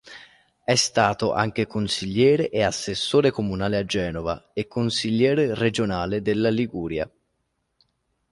È stato anche consigliere e assessore comunale a Genova e consigliere regionale della Liguria.